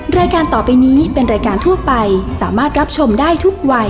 รายการต่อไปนี้เป็นรายการทั่วไปสามารถรับชมได้ทุกวัย